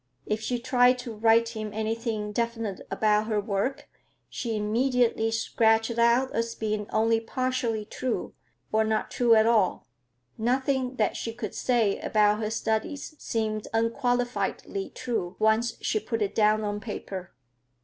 If she tried to write him anything definite about her work, she immediately scratched it out as being only partially true, or not true at all. Nothing that she could say about her studies seemed unqualifiedly true, once she put it down on paper.